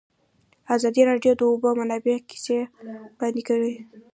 ازادي راډیو د د اوبو منابع کیسې وړاندې کړي.